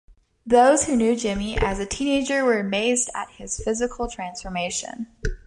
Those who knew Jimmy as a teenager were amazed at his physical transformation.